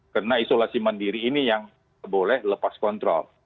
karena isolasi mandiri ini yang boleh lepas kontrol